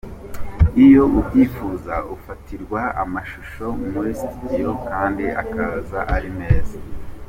Iyo ubyifuza ufatirwa amashusho muri Studio kandi akaza ari meza.